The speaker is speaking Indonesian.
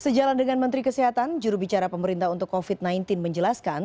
sejalan dengan menteri kesehatan jurubicara pemerintah untuk covid sembilan belas menjelaskan